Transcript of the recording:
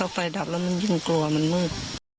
ไฟดับแล้วมันยิ่งกลัวมันมืด